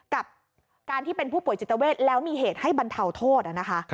กับการที่เป็นผู้ป่วยจิตเวทแล้วมีเหตุให้บรรเทาโทษนะคะ